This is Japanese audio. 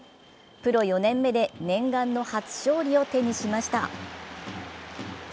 プロ４年目で念願の初勝利を手にしました。